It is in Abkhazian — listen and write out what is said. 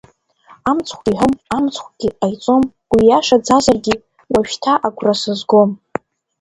Амыцхәгьы иҳәом, амыцхәгьы ҟаиҵом, уиашаӡазаргьы, уажәшьҭа агәра сызгом.